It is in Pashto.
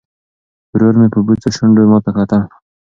ورور مې په بوڅو شونډو ماته کتل.